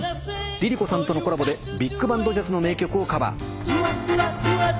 ＬｉＬｉＣｏさんとのコラボでビッグバンドジャズの名曲をカバー。